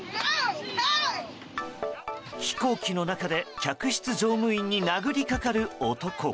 飛行機の中で客室乗務員に殴り掛かる男。